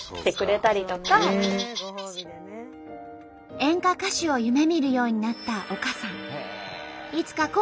演歌歌手を夢みるようになった丘さん。